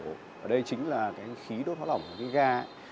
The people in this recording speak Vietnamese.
ở đây chính là cái khí đốt hóa lỏng cái ga